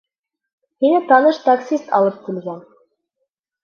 Һине таныш таксист алып килгән.